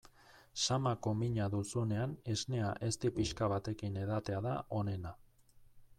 Samako mina duzunean esnea ezti pixka batekin edatea da onena.